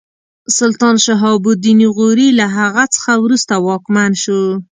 سلطان شهاب الدین غوري له هغه څخه وروسته واکمن شو.